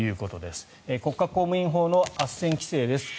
国家公務員法のあっせん規制です。